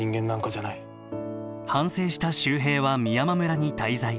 反省した秀平は美山村に滞在。